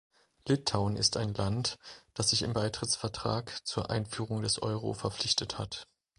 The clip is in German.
Litauen ist ein Land, das sich im Beitrittsvertrag zur Einführung des Euro verpflichtet hat.